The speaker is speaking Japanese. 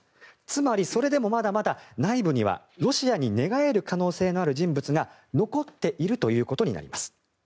つまり、それでもまだまだ内部にはロシアに寝返る可能性のある人物が残っているということになります。